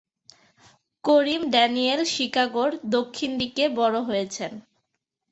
করিম Daniel শিকাগোর দক্ষিণ দিকে বড় হয়েছেন।